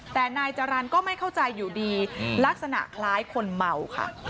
แต่นายจรรย์ก็ไม่เข้าใจอยู่ดีลักษณะคล้ายคนเมาค่ะ